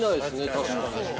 確かに。